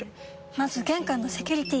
まず玄関のセキュリティ！